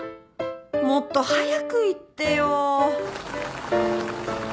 もっと早く言ってよ。